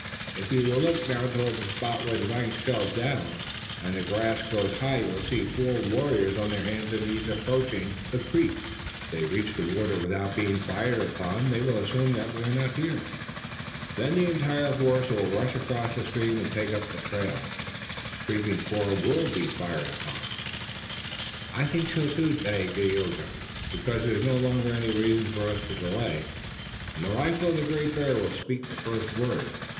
If you will look now toward the spot where the banks shelve down, and the grass grows high you will see four warriors on their hands and knees approaching the creek. If they reach the water without being fired upon they will assume that we are not here. Then the entire force will rush across the stream and take up the trail." "But the creeping four will be fired upon." "I think so, too, Dagaeoga, because there is no longer any reason for us to delay, and the rifle of the Great Bear will speak the first word."